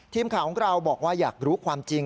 ทีมข่าวของเราบอกว่าอยากรู้ความจริง